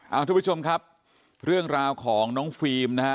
เอาทุกผู้ชมครับเรื่องราวของน้องฟิล์มนะฮะ